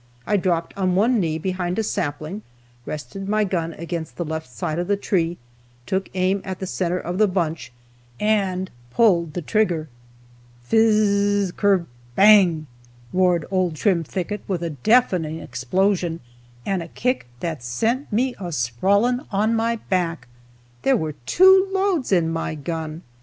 I dropped on one knee behind a sapling, rested my gun against the left side of the tree, took aim at the center of the bunch, and pulled the trigger. "Fiz z z kerbang!" roared old Trimthicket with a deafening explosion, and a kick that sent me a sprawling on my back! There were two loads in my gun!